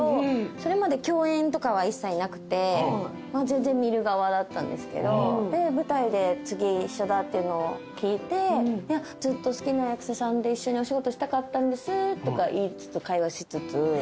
全然見る側だったんですけどで舞台で次一緒だっていうのを聞いてずっと好きな役者さんで一緒にお仕事したかったんですとか言いつつ会話しつつ。